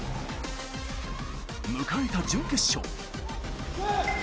迎えた準決勝。